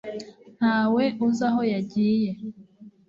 ntawe uzi aho yagiye